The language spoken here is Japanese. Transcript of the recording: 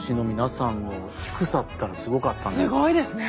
すごいですね！